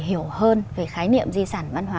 hiểu hơn về khái niệm di sản văn hóa